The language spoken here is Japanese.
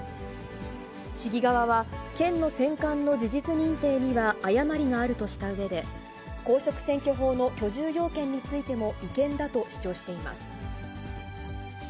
市議側は、県の選管の事実認定には誤りがあるとしたうえで、公職選挙法の居住要件についても違憲だと主張しています。